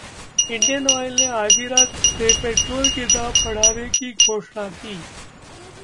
Indian Oil ने आधी रात से पेट्रोल के दाम बढ़ाने घोषणा की